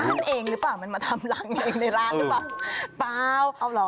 มันมันเองหรือเปล่ามันมาทำรางเองในร้านหรือเปล่า